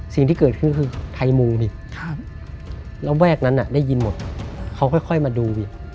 สิ่งที่เกิดขึ้นคือไทยมูนี่ระแวกนั้นได้ยินหมดเขาค่อยมาดูอีก